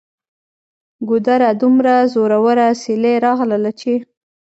ګودره! دومره زوروره سیلۍ راغلله چې